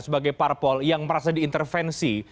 sebagai parpol yang merasa diintervensi